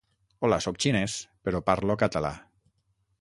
Hola, soc xinès però parlo català.